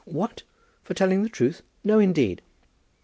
"What; for telling the truth? No, indeed."